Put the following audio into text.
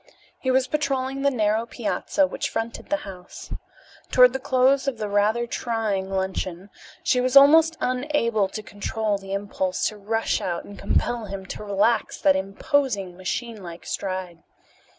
He was patrolling the narrow piazza which fronted the house. Toward the close of the rather trying luncheon she was almost unable to control the impulse to rush out and compel him to relax that imposing, machine like stride.